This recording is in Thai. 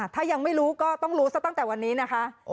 ถ้ายังไม่รู้ก็ต้องรู้ซะตั้งแต่วันนี้นะคะ